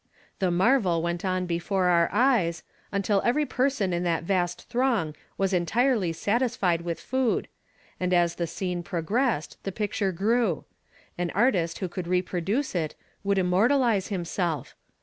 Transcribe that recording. ''The marvel went on l)efore onr eyes, until eveiy j)ers()n in tliat vast tlirong wus cntii'dy satisfied with food ; and as tht; scene progressed, the picture grew. An artist who could repro duce it, would innnortalize himself.